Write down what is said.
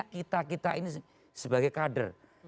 kita kita ini sebagai kader